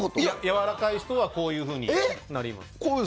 やわらかい人はこういうふうになります。